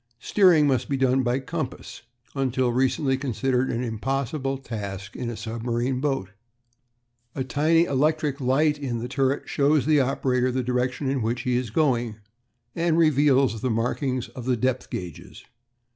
Steering must be done by compass; until recently considered an impossible task in a submarine boat. A tiny electric light in the turret shows the operator the direction in which he is going, and reveals the markings on the depth gauges.